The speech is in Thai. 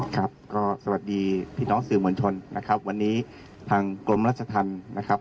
ครับก็สวัสดีพี่น้องสื่อมวลชนนะครับวันนี้ทางกรมรัชธรรมนะครับ